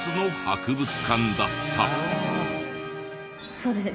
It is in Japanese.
そうですね